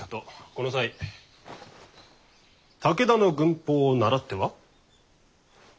この際武田の軍法を倣っては？